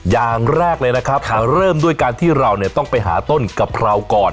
อย่างแรกเลยนะครับเริ่มด้วยการที่เราต้องไปหาต้นกะเพราก่อน